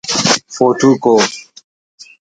فوٹوک ءُ